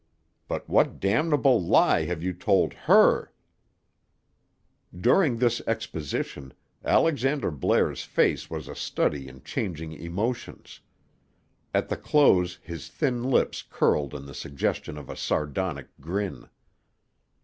But what damnable lie have you told her?" During this exposition, Alexander Blair's face was a study in changing emotions. At the close his thin lips curled in the suggestion of a sardonic grin.